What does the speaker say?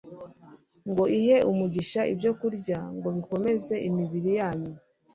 ngo ihe umugisha ibyokurya ngo bikomeze imibiri yanyu